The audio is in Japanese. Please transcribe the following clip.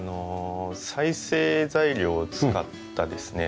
再生材料を使ったですね